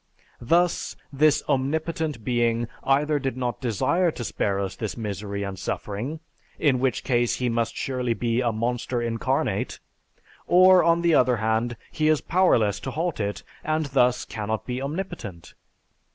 Thus, this omnipotent being either did not desire to spare us this misery and suffering, in which case he must surely be a monster incarnate; or, on the other hand, he is powerless to halt it, and thus cannot be omnipotent.